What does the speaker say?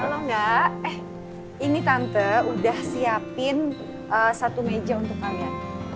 kalau enggak eh ini tante udah siapin satu meja untuk kalian